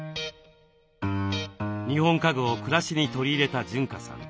日本家具を暮らしに取り入れた潤香さん。